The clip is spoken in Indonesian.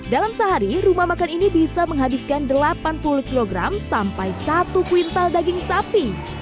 dalam sehari rumah makan ini bisa menghabiskan delapan puluh kg sampai satu kuintal daging sapi